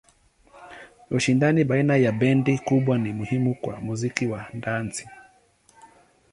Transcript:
Ushindani baina ya bendi kubwa ni muhimu kwa muziki wa dansi.